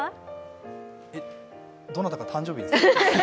どなたかの誕生日ですか。